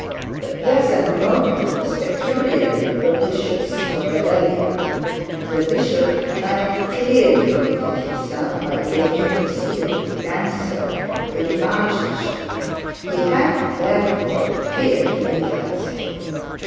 The present moment was peculiarly propitious for rebellion. The bishop had clearly committed himself by breaking the seal of the answer to the archbishop; he had therefore fear to influence him.